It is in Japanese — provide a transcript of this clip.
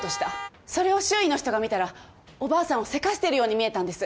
それを周囲の人が見たらおばあさんをせかしてるように見えたんです。